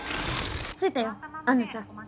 着いたよアンナちゃん。